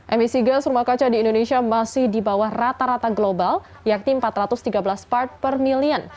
emisi gas rumah kaca di indonesia masih di bawah rata rata global yakni empat ratus tiga belas part per million